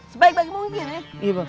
sebaik baik mungkin ya